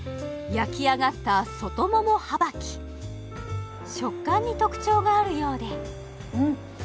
焼き上がった外ももはばき食感に特徴があるようでうん！